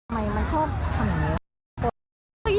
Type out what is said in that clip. ไม่มันคบแบบนี้